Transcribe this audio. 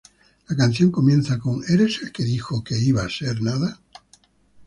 La canción comienza con, "¿Eres el que dijo que iba a ser nada?